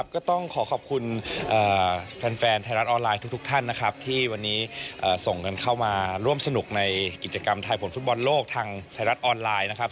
ก็ต้องขอขอบคุณแฟนไทยรัฐออนไลน์ทุกท่านนะครับที่วันนี้ส่งเงินเข้ามาร่วมสนุกในกิจกรรมทายผลฟุตบอลโลกทางไทยรัฐออนไลน์นะครับ